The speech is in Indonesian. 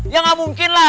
ya nggak mungkin lah